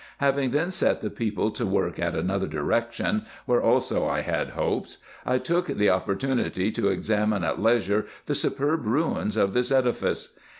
Having then set the people to work in another direction, where also I had hopes, I took the op portunity to examine at leisure the superb ruins of this edifice.